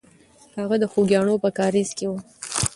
هغه د خوګیاڼیو په کارېز کې وه.